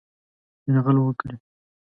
یرغل وکړي.